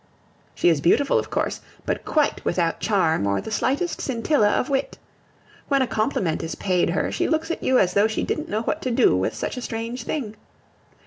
She is beautiful of course, but quite without charm or the slightest scintilla of wit. When a compliment is paid her, she looks at you as though she didn't know what to do with such a strange thing.